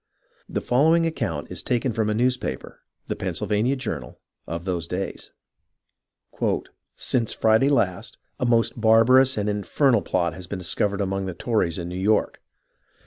The following account is taken from a newspaper, the Pennsyl vania Jommal, of those days :—" Since Friday last, a most barbarous and infernal plot has been discovered among the Tories in New York.